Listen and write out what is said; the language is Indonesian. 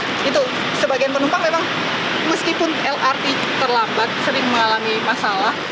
nah itu sebagian penumpang memang meskipun lrt terlambat sering mengalami masalah